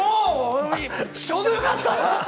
ちょうどよかった！